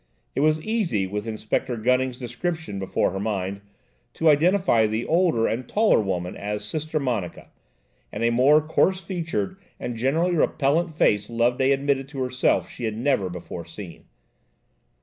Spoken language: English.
It was easy, with Inspector Gunning's description before her mind, to identify the older and taller woman as Sister Monica, and a more coarse featured and generally repellant face Loveday admitted to herself she had never before seen.